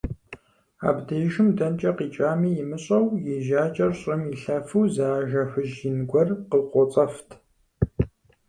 Абдежым дэнэкӀэ къикӀами имыщӀэу и жьакӀэр щӀым илъэфу зы ажэ хужь ин гуэр къыкъуоцӀэфт.